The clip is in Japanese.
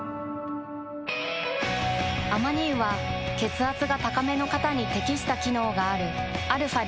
アマニ油は血圧が高めの方に適した機能があるαー